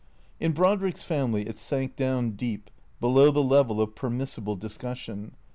In Brodrick's family it sank down deep, below the level of permissible discussion.